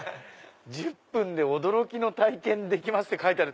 「１０分で驚きの体験できます」って書いてある。